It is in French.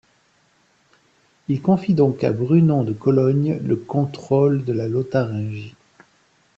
Il confie donc à Brunon de Cologne le contrôle de la Lotharingie.